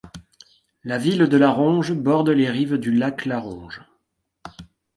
La ville de La Ronge borde les rives du Lac la Ronge.